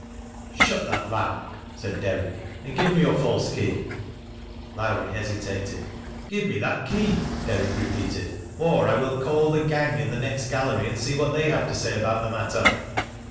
"Shut that lamp," said Derrick, "and give me your false key." Lowrie hesitated. " Give me that key," Derrick repeated, " cr I will call the gang in the next gallery and see what they have to say about the matter."